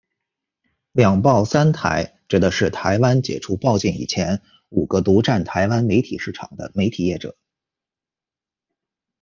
两报三台指的是台湾解除报禁以前，五个独占台湾媒体市场的媒体业者。